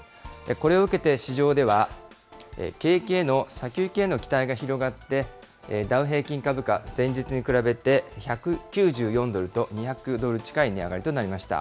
これを受けて市場では、景気への先行きへの期待が広がって、ダウ平均株価、前日に比べて１９４ドルと、２００ドル近い値上がりとなりました。